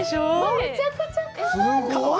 めちゃくちゃかわいい！